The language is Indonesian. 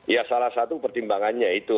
ya salah satu pertimbangannya itu